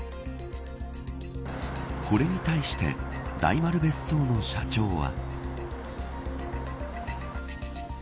これに対して大丸別荘の社長は。